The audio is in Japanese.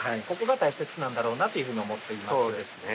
ここが大切なんだろうなというふうに思っています。